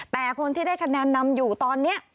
แต่คนที่ได้คะแนนนำอยู่ตอนนี้